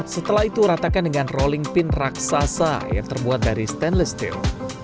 setelah itu ratakan dengan rolling pin raksasa yang terbuat dari stainless steel